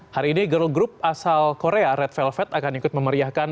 hari ini girl group asal korea red velvet akan ikut memeriahkan